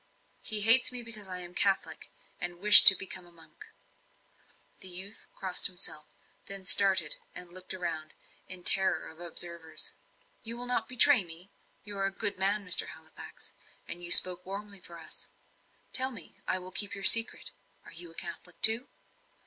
"He hates me because I am a Catholic, and wish to become a monk." The youth crossed himself, then started and looked round, in terror of observers. "You will not betray me? You are a good man, Mr. Halifax, and you spoke warmly for us. Tell me I will keep your secret are you a Catholic too?"